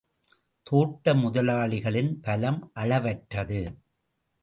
தோட்ட முதலாளிகளின் பலம் அளவற்றது.